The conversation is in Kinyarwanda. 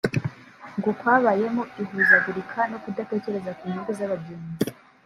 ngo kwabayemo ihuzagurika no kudatekereza ku nyungu z’abagenzi